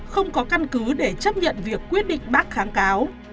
không có căn cứ để chấp nhận việc quyết định bác kháng cáo